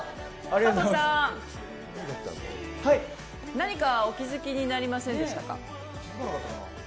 佐藤さん、何かお気付きになりませんでしたか。